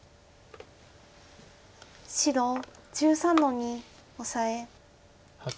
白１３の二オサエ。